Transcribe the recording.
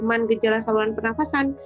tidak cuma gejala saluran pernafasan